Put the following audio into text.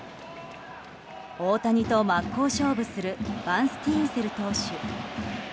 大谷と真っ向勝負するバンスティーンセル投手。